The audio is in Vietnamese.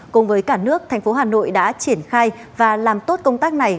cùng với cả nước thành phố hà nội đã triển khai và làm tốt công tác này